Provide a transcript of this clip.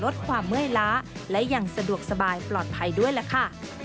ได้อย่างสะดวกสบายปลอดภัยด้วยล่ะค่ะ